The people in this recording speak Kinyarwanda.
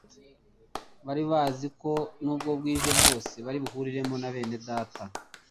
Bari bazi ko nubwo bwije bwose bari buhuriremo na bene Data,